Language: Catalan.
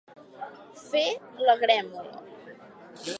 Fer la grémola.